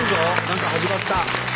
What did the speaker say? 何か始まった。